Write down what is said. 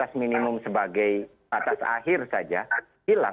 batas minimum sebagai batas akhir saja hilang